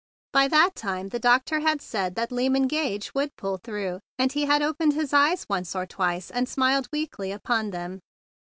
By that time the doctor had said that Lyman Gage would pull through; and he had opened his eyes once or twice and smiled weakly upon them.